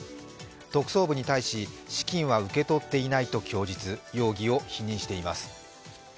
特捜部に対し資金は受け取っていないと供述、容疑を否認しています。